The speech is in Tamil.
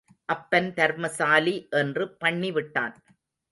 அப்பன் தர்மசாலி என்று பண்ணி விட்டான்.